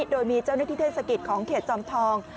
โดยมีเจ้าหน้าที่เทศกิจของเขตจอมทอง